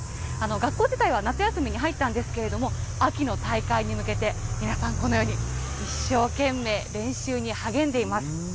学校自体は夏休みに入ったんですけれども、秋の大会に向けて、皆さん、このように、一生懸命練習に励んでいます。